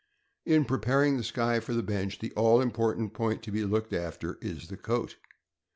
In preparing the Skye for the bench, the all important point to be looked after is the coat.